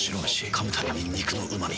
噛むたびに肉のうま味。